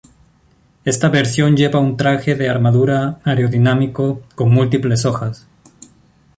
Esta versión lleva un traje de armadura aerodinámico con múltiples hojas.